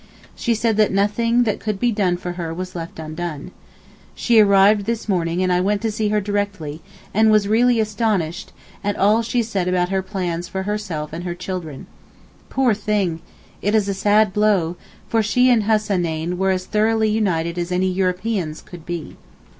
She said that nothing that could be done for her was left undone. She arrived this morning and I went to see her directly and was really astonished at all she said about her plans for herself and her children. Poor thing! it is a sad blow—for she and Hassaneyn were as thoroughly united as any Europeans could be.